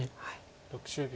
６０秒。